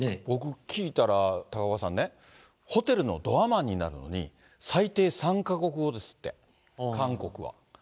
僕、聞いたら、高岡さんね、ホテルのドアマンになるのに、最低３か国語ですって、韓国は。